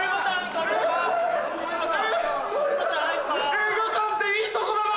映画館っていいとこだな！